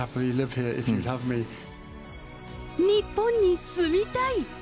日本に住みたい。